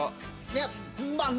「いやまあ」